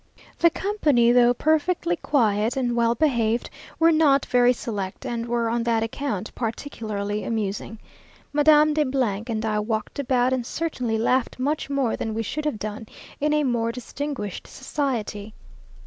The company, though perfectly quiet and well behaved, were not very select, and were, on that account, particularly amusing. Madame de and I walked about, and certainly laughed much more than we should have done in a more distinguished society.